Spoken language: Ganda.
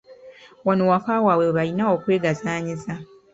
Wano waka waabwe we balina okwegazaanyiza.